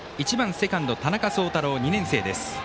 セカンド、田中朔太郎２年生です。